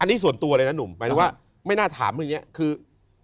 อันนี้ส่วนตัวเลยนะหนุ่มหมายถึงว่าไม่น่าถามเรื่องนี้คือ